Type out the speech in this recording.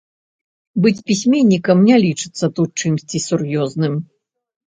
Быць пісьменнікам не лічыцца тут чымсьці сур'ёзным.